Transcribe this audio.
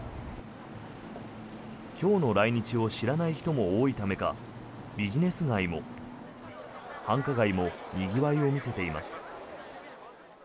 今日の来日を知らない人も多いためかビジネス街も、繁華街もにぎわいを見せています。